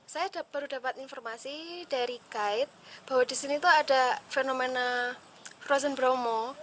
saya baru dapat informasi dari guide bahwa disini tuh ada fenomena frozen bromo